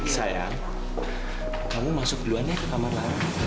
sayang kamu masuk duluan ya ke kamar lara